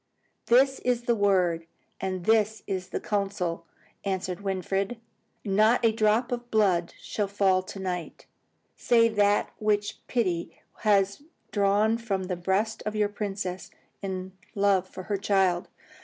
"This is the word, and this is the counsel," answered Winfried. "Not a drop of blood shall fall to night, save that which pity has drawn from the breast of your princess, in love for her child.